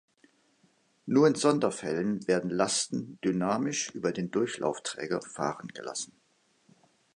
Nur in Sonderfällen werden Lasten dynamisch über den Durchlaufträger fahren gelassen.